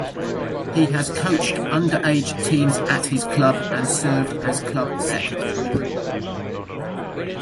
He has coached underage teams at his club and served as club secretary.